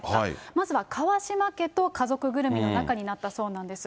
まずは川嶋家と家族ぐるみの仲になったそうなんです。